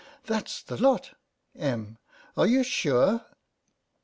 That's the lot. Em. : Are you sure